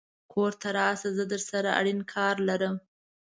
کور ته راشه زه درسره اړين کار لرم